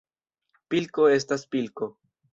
Pilko estas pilko.